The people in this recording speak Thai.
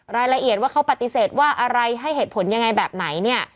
รายละเอียดว่าเขาปฏิเสธว่าอะไรให้เหตุผลยังไงแบบไหนเนี่ย